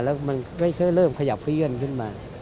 แล้วมันก็เริ่มขยับเลื่อนขึ้นมา